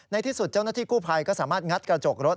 ในที่สุดเจ้าหน้าที่กู้ภัยก็สามารถงัดกระจกรถ